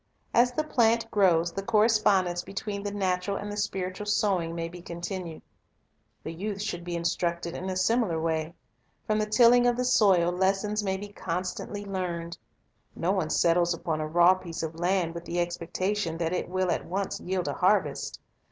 As the plant grows, the correspondence between the natural and the spiritual sowing may be continued. The youth should be instructed in a similar way. From the tilling of the soil, lessons may constantly be learned. No one settles upon a raw piece of land with the expectation that it will at once yield a harvest.